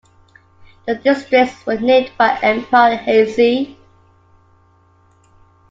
The districts were named by Emperor Heizei.